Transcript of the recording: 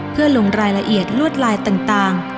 เพื่อลงรายละเอียดลวดลายต่าง